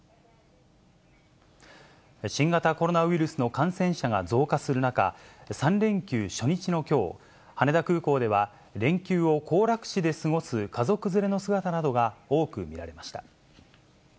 新型コロナウイルスの感染者が増加する中、３連休初日のきょう、羽田空港では連休を行楽地で過ごす家族連れの姿などが多く見られました。